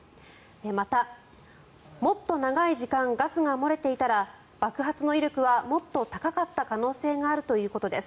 また、もっと長い時間ガスが漏れていたら爆発の威力はもっと高かった可能性があるということです。